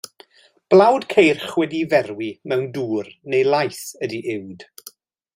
Blawd ceirch wedi'i ferwi mewn dŵr neu laeth ydy uwd.